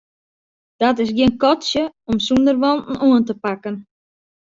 Dat is gjin katsje om sûnder wanten oan te pakken.